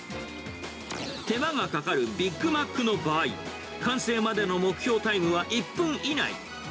手間がかかるビッグマックの場合、完成までの目標タイムは１分以内。